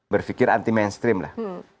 berpikir anti mainstream lah